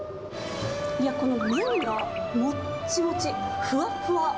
この麺がもっちもち、ふわっふわ。